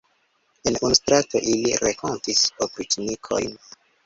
En unu strato ili renkontis opriĉnikojn.